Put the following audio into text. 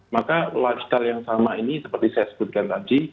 maka lifestyle yang sama ini seperti saya sebutkan tadi